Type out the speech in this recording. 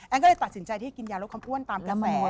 แอ้งก็เลยตัดสินใจที่กินยาลดคำอ้วนตามนำแมว